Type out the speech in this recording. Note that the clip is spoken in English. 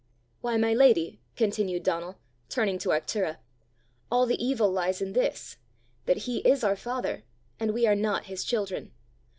Why, my lady," continued Donal, turning to Arctura, "all the evil lies in this that he is our father and we are not his children.